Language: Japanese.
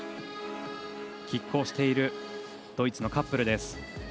きっ抗しているドイツのカップルです。